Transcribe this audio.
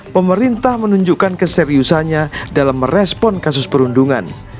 pemerintah menunjukkan keseriusannya dalam merespon kasus perundungan